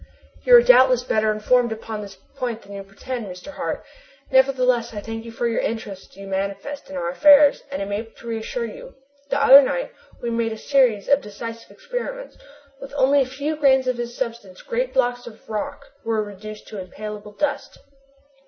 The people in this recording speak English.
"You are doubtless better informed upon this point than you pretend, Mr. Hart. Nevertheless, I thank you for the interest you manifest in our affairs, and am able to reassure you. The other night we made a series of decisive experiments. With only a few grains of this substance great blocks of rock were reduced to impalpable dust!"